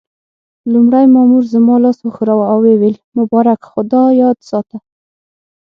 لومړي مامور زما لاس وښوراوه او ويې ویل: مبارک، خو دا یاد ساته.